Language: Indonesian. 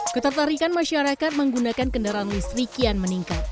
ketertarikan masyarakat menggunakan kendaraan listrik kian meningkat